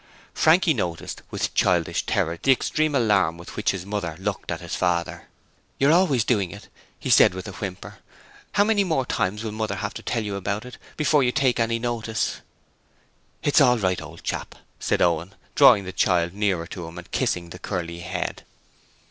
Frankie noticed with childish terror the extreme alarm with which his mother looked at his father. 'You're always doing it,' he said with a whimper. 'How many more times will Mother have to tell you about it before you take any notice?' 'It's all right, old chap,' said Owen, drawing the child nearer to him and kissing the curly head.